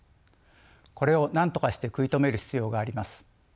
これをなんとかして食い止める必要があります。